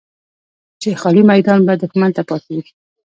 چې خالي میدان به دښمن ته پاتې وي.